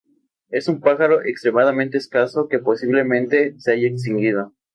Es un pájaro extremadamente escaso que posiblemente se haya extinguido.